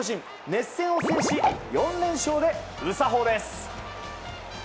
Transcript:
熱戦を制し、４連勝でうさほーです！